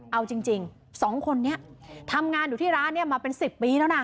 เอาจริง๒คนนี้ทำงานอยู่ที่ร้านนี้มาเป็น๑๐ปีแล้วนะ